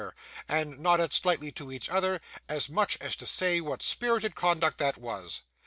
and nodded slightly to each other, as much as to say what spirited conduct that was.